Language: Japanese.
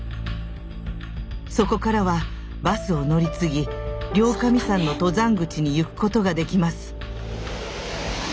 そこからはバスを乗り継ぎ両神山の登山口に行くことができます。